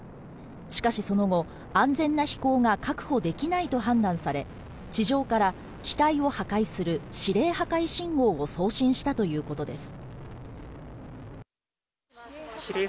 しかしその後、安全な飛行が確保できないと判断され、地上から機体を破壊する指令破壊信号を送信したということです。